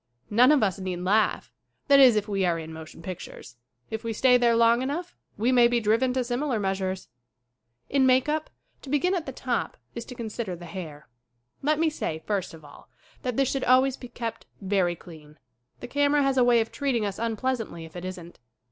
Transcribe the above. None of us need laugh ; that is if we are in motion pictures. If we stay there long enough we mav be driven to similar measures. m In make up, to begin at the top, is to consider the hair. Let me say, first of all, that this should always be kept very clean. The camera has a way of treating us unpleasantly if it isn't.